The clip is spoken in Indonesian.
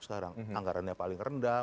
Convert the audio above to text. sekarang anggarannya paling rendah